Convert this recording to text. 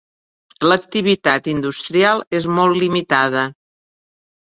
L"activitat industrial és molt limitada.